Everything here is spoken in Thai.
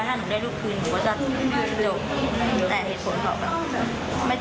ถ้าหนูได้ลูกคืนหนูก็จะต่ำได้